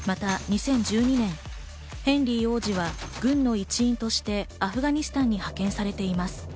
また２０１２年、ヘンリー王子は軍の一員としてアフガニスタンに派遣されています。